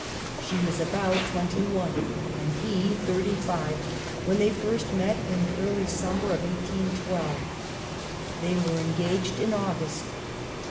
She was about twenty one and he thirty five when they first met in the early summer of 1812. They were engaged in August.